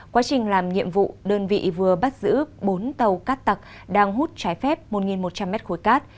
quá trình làm nhiệm vụ đơn vị vừa bắt giữ bốn tàu cát tặc đang hút trái phép một một trăm linh mét khối cát